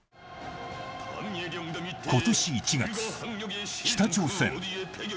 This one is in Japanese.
ことし１月、北朝鮮。